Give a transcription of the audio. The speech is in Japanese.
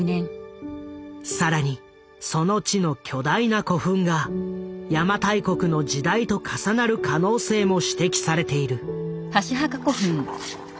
更にその地の巨大な古墳が邪馬台国の時代と重なる可能性も指摘されている。